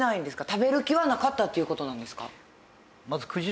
食べる気はなかったっていう事なんですか？